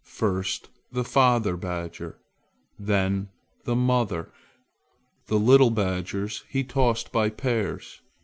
First the father badger; then the mother. The little badgers he tossed by pairs.